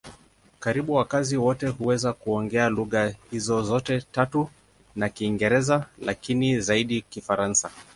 Karibu wakazi wote huweza kuongea lugha hizo zote tatu na Kiingereza, lakini zaidi Kifaransa.